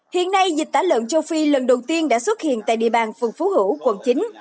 hiện nay dịch tả lợn châu phi lần đầu tiên đã xuất hiện tại địa bàn phường phú hữu quận chín